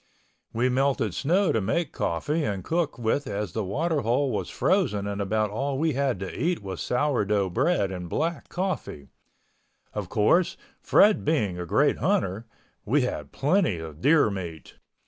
We melted snow to make coffee and cook with as the water hole was frozen and about all we had to eat was sour dough bread and black coffee. Of course, Fred being a great hunter, we had plenty of deer meat.